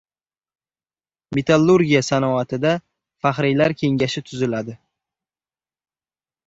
Metallurgiya sanoatida faxriylar kengashi tuziladi